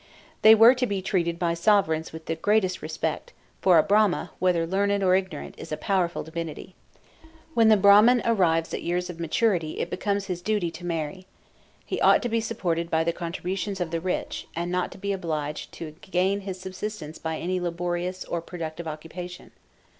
They were to be treated by sovereigns with the greatest respect, for "a Brahman, whether learned or ignorant, is a powerful divinity." When the Brahman arrives at years of maturity it becomes his duty to marry. He ought to be supported by the contributions of the rich, and not to be obliged to gain his subsistence by any laborious or productive occupation.